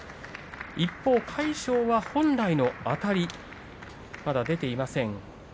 一方の魁勝は本来のあたりまだ出ていません。